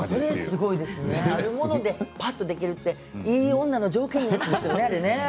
あるものでぱっとできるっていい女の条件ですよね。